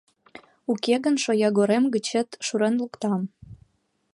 Уке гын шоягорем гычет шурен луктам.